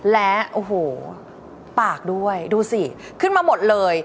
และโอ้โหปากด้วยดูสิขึ้นมาหมดเลย